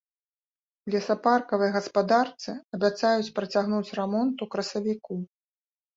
У лесапаркавай гаспадарцы абяцаюць працягнуць рамонт у красавіку.